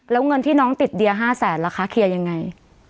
แล้วเงินที่น้องติดเดีย๕แสนล่ะคะเคลียร์ยังไง